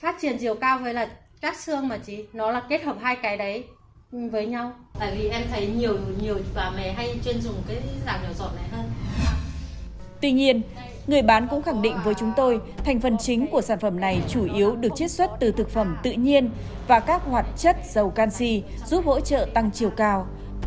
tuy nhiên người bán cũng khẳng định với chúng tôi thành phần chính của sản phẩm này chủ yếu được chất xuất từ thực phẩm tự nhiên và các hoạt chất dầu canxi giúp hỗ trợ tăng chiều cao